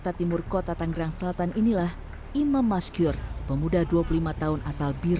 itu kan karena awalnya dia bilang mau buka usaha kosmetik